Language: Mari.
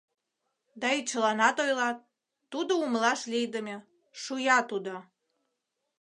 — Да и чыланат ойлат, тудо умылаш лийдыме, — шуя тудо.